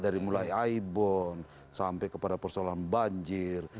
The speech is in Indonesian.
dari mulai aibon sampai kepada persoalan banjir